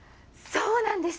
そうなんです。